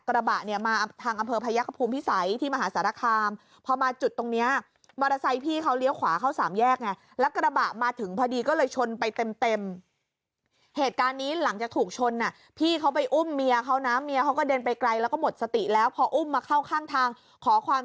กระบะมาทางอำเภอไพรกระภูมิพิไสที่มหาสาธารคาม